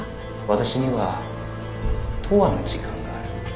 「私には永遠の時間がある」